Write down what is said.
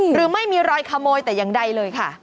หรือไม่มีรอยขโมยแต่อย่างใดเลยค่ะ